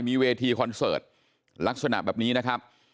มีเวทีคอนเสิร์ตลักษณะแบบนี้นะครับ